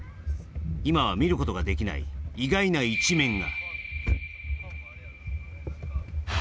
今は見ることができない意外な一面が。